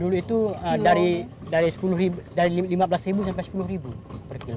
dulu itu dari lima belas sampai sepuluh per kilo